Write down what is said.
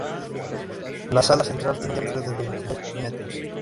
La sala central tiene un diámetro de veintinueve metros.